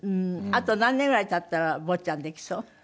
あと何年ぐらい経ったら坊ちゃんできそう？